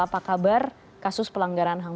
apa kabar kasus pelanggaran ham